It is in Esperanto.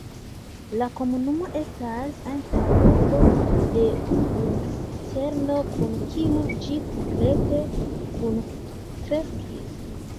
La komunumo estas antaŭurbo de Lucerno, kun kiu ĝi komplete kunkreskis.